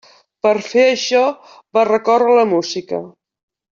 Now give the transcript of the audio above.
Per fer això va recórrer a la música.